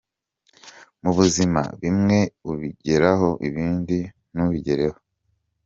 Mu buzima bimwe ubigeraho ibindi ntubigereho.